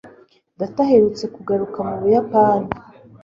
data aherutse kugaruka mu buyapani